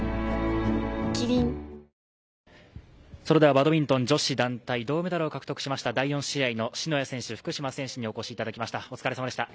バドミントン女子団体、銅メダルを獲得した第４試合の篠谷選手、福島選手にお越しいただきました。